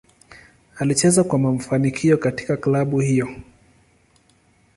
Alicheza kwa kwa mafanikio katika klabu hiyo.